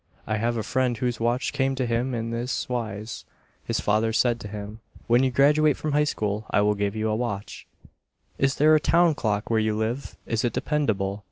I have a friend whose watch came to him in this wise. His father said to him, "When you graduate from High School I will give you a watch." Is there a "town clock" where you live? Is it dependable?